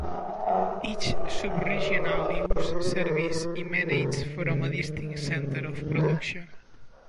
Each sub-regional news service emanates from a distinct centre of production.